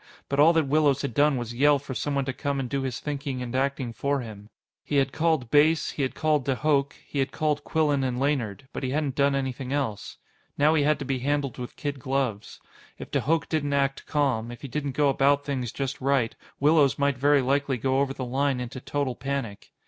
But all that Willows had done was yell for someone to come and do his thinking and acting for him. He had called Base; he had called de Hooch; he had called Quillan and Laynard. But he hadn't done anything else. Now he had to be handled with kid gloves. If de Hooch didn't act calm, if he didn't go about things just right, Willows might very likely go over the line into total panic.